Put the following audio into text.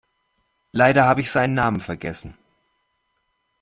Leider habe ich seinen Namen vergessen.